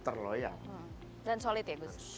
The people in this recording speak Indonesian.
terloyal dan solid ya kus